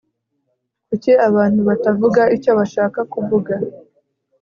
kuki abantu batavuga icyo bashaka kuvuga